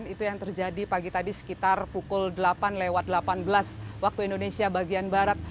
itu yang terjadi pagi tadi sekitar pukul delapan lewat delapan belas waktu indonesia bagian barat